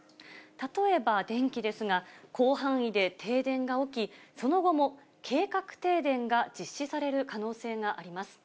例えば電気ですが、広範囲で停電が起き、その後も計画停電が実施される可能性があります。